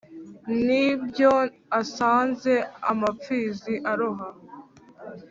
ni bwo asanze amapfizi aroha